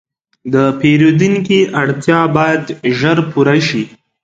د پیرودونکي اړتیا باید ژر پوره شي.